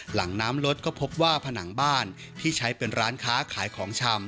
หลังน้ำลดก็พบว่าผนังบ้านที่ใช้เป็นร้านค้าขายของชำ